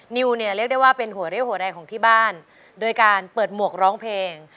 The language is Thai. นิวเนี่ยเรียกได้ว่าเป็นหัวเรี่ยวหัวแรงของที่บ้านโดยการเปิดหมวกร้องเพลง